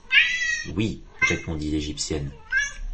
Oui, répondit l’égyptienne.